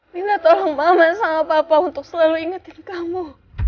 minta tolong mama sama papa untuk selalu ingetin kamu